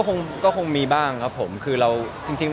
หลังจากนี้จะเห็นรูปอีกนิดมายังไง